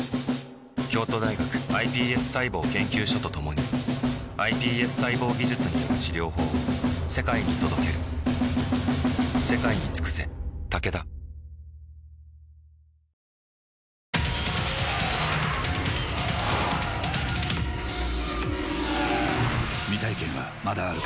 京都大学ｉＰＳ細胞研究所と共にｉＰＳ細胞技術による治療法を世界に届ける負けたらサイダーおごりね。